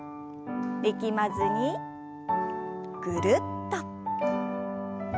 力まずにぐるっと。